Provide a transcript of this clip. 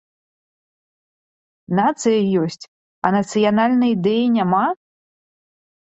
Нацыя ёсць, а нацыянальнай ідэі няма?